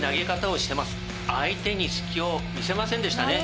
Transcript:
相手に隙を見せませんでしたね。